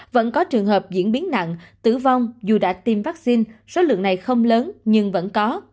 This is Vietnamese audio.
vẫn có trường hợp diễn biến nặng tử vong dù đã tiêm vaccine số lượng này không lớn nhưng vẫn có